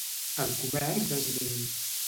El comerç és mínim.